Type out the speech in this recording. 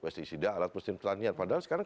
pesticida alat mesin petanian padahal sekarang